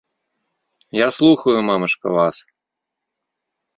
Я слухаю, мамачка, вас.